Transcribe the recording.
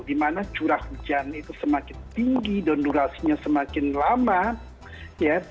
dimana curah hujan itu semakin tinggi dan durasinya semakin lama ya